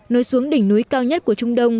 nối xuống đỉnh núi cao nhất của trung đông